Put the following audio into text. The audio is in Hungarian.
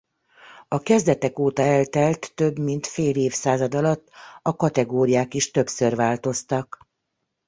A kezdetek óta eltelt több mint fél évszázad alatt a kategóriák is többször változtak.